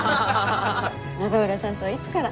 永浦さんとはいつから？